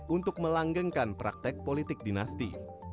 untuk melanggengkan praktek politik dinasti